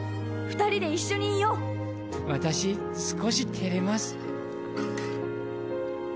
２人で一緒にいよう私少し照れます